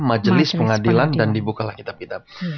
majelis pengadilan dan dibukalah kitab kitab